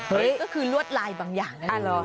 ก็คือลวดลายบางอย่าง